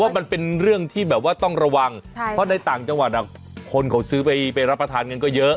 มันเป็นเรื่องที่แบบว่าต้องระวังเพราะในต่างจังหวัดคนเขาซื้อไปรับประทานกันก็เยอะ